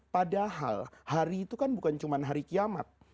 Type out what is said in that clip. padahal hari itu kan bukan cuma hari kiamat